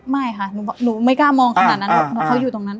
ไม่ค่ะหนูไม่กล้ามองขนาดนั้นหรอกเพราะเขาอยู่ตรงนั้น